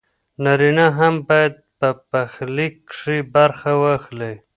نارينه هم بايد په پخلي کښې برخه واخلي